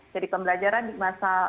jadi pembelajaran di masa